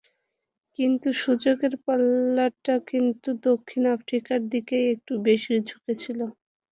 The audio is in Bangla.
কিন্তু সুযোগের পাল্লাটা কিন্তু দক্ষিণ আফ্রিকার দিকেই একটু বেশি ঝুঁকে ছিল।